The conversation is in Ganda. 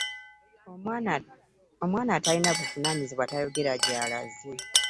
Omwana atalina buvunanyizibwa toyogera jalaze .